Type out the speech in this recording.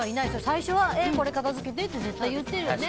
最初は、これ片付けてって絶対言ってるよね。